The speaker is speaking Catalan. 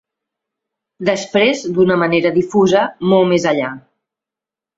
Després, d'una manera difusa, molt més allà.